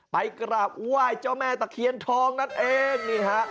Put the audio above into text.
ไปกราบไหว้เจ้าแม่ตะเคียนทองนั่นเองนี่ฮะ